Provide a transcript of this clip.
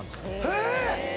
え⁉